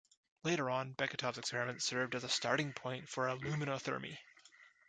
Later on, Beketov's experiments served as a starting point for aluminothermy.